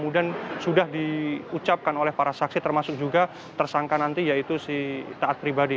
dan sudah diucapkan oleh para saksi termasuk juga tersangka nanti yaitu si taat pribadi